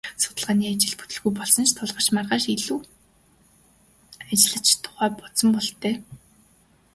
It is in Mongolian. Судалгааны ажил нь бүтэлгүй болсонд л гутарч маргааш илүү ажиллах тухай бодсон бололтой.